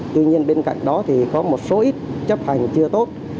tuy nhiên bên cạnh đó thì có một số ít chấp hành chưa tốt